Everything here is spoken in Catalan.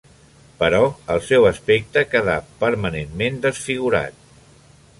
Però el seu aspecte quedà permanentment desfigurat.